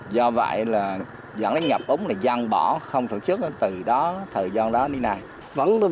do vậy là dẫn đến nhập úng là dăng bỏ không sản xuất từ đó thời gian đó đến nay